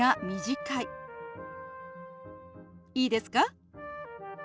いいですか？